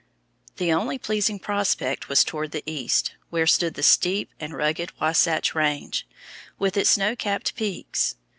The only pleasing prospect was toward the east, where stood the steep and rugged Wasatch Range, with its snow capped peaks.